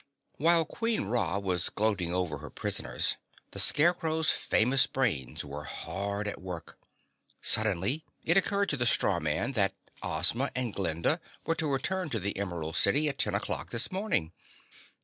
While Queen Ra was gloating over her prisoners, the Scarecrow's famous brains were hard at work. Suddenly it occurred to the straw man that Ozma and Glinda were to return to the Emerald City at ten o'clock this morning.